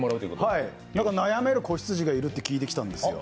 はい、悩める小羊がいるって聞いてきたんですよ。